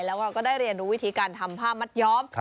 แล้วเราก็ได้เรียนรู้วิธีการทำผ้ามัดย้อม